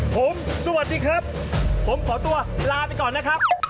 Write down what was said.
ผมสวัสดีครับผมขอตัวลาไปก่อนนะครับ